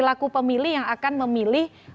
laku pemilih yang akan memilih